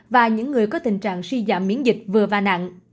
và những người có tình trạng suy giảm miễn dịch vừa và nặng